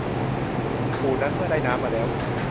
ปู่นั้นเมื่อได้น้ำมาแล้ว